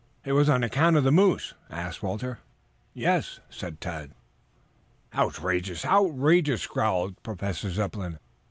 "It was on account of the moose?" asked Walter. "Yes." "Outrageous! Outrageous!" growled Professor Zepplin.